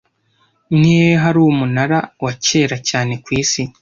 Nihehe hari umunara wa kera cyane ku isi